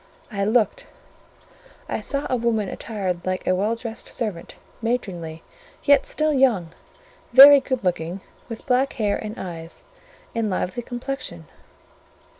I looked: I saw a woman attired like a well dressed servant, matronly, yet still young; very good looking, with black hair and eyes, and lively complexion.